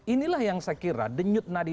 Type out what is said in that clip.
inilah yang saya kira denyut nadie